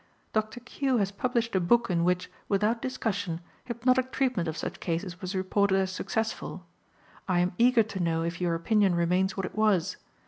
Dr. Q. has published a book in which, without discussion, hypnotic treatment of such cases was reported as successful. I am eager to know if your opinion remains what it was.